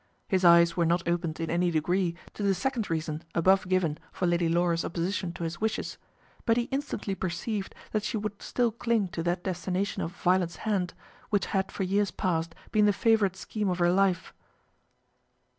His eyes were not opened in any degree to the second reason above given for Lady Laura's opposition to his wishes, but he instantly perceived that she would still cling to that destination of Violet's hand which had for years past been the favourite scheme of her life.